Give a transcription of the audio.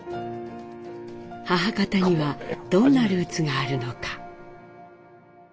母方にはどんなルーツがあるのか？